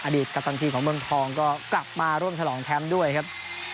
ตกัปตันทีของเมืองทองก็กลับมาร่วมฉลองแชมป์ด้วยครับ